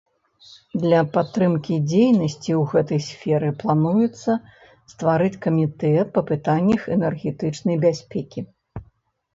Для падтрымкі дзейнасці ў гэтай сферы плануецца стварыць камітэт па пытаннях энергетычнай бяспекі.